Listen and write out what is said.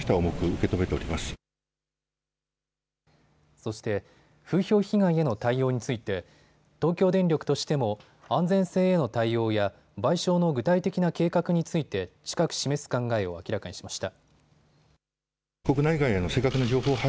そして風評被害への対応について東京電力としても安全性への対応や賠償の具体的な計画について近く示す考えを明らかにしました。